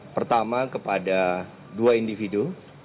pertama kepada dua individu